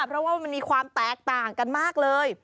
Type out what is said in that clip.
เพราะว่ามันมีความแตกต่างกันมากเลย